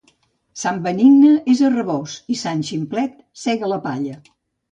Sant Benigne és a Rabós i sant Ximplet sega la palla.